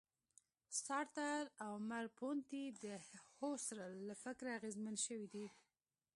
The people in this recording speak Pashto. سارتر او مرلوپونتې د هوسرل له فکره اغېزمن شوي دي.